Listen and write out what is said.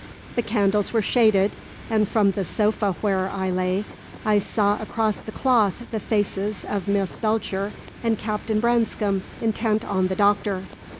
The candles were shaded, and from the sofa where I lay I saw across the cloth the faces of Miss Belcher and Captain Branscome intent on the Doctor.